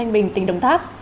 mình tỉnh đồng tháp